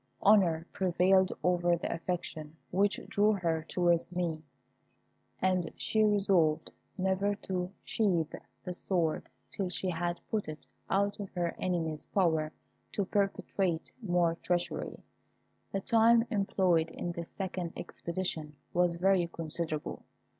Honour prevailed over the affection which drew her towards me, and she resolved never to sheathe the sword till she had put it out of her enemy's power to perpetrate more treachery. The time employed in this second expedition was very considerable.